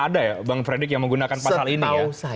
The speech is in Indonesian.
ada ya bang fredrik yang menggunakan pasal ini ya